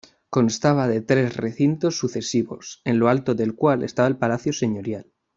Constaba de tres recintos sucesivos, en lo alto del cual estaba el palacio señorial.